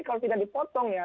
kalau tidak dipotong ya